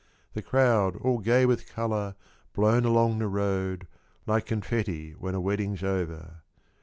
— The crowd all gay with colour Blown along the road Like confetti when a wedding's over.